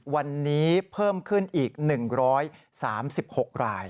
วันนี้เพิ่มขึ้นอีก๑๓๖ราย